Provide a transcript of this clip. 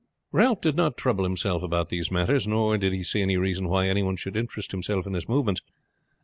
Ralph did not trouble himself about these matters, nor did he see any reason why any one should interest himself in his movements.